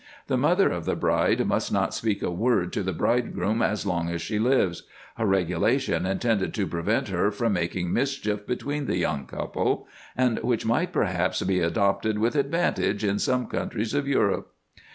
The mother of the bride must not speak a word to the bridegroom as long as she lives ; a regulation intended to prevent her from making mischief between the young couple ; and which might perhaps be adopted with advantage in some countries of Europe.